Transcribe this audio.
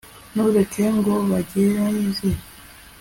ntureke ngo bangeze